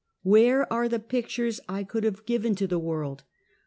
Where are the pictures I should have given to the world?